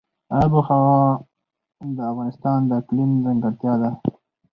آب وهوا د افغانستان د اقلیم ځانګړتیا ده.